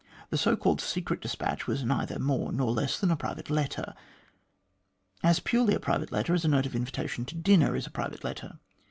The so called ' secret despatch ' was neither more nor less than a private letter ; .as purely a private letter as a note of invitation to dinner is a private letter.